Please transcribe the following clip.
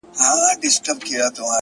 o زه د جنتونو و اروا ته مخامخ يمه؛